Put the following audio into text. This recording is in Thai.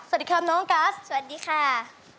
สวัสดีครับน้องกัสสวัสดีค่ะ